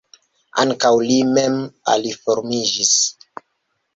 Ankaŭ li mem aliformiĝis.